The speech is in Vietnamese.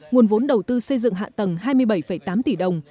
nguồn vốn đầu tư xây dựng hạ tầng hai mươi bảy tám tỷ đồng